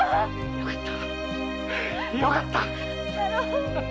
よかった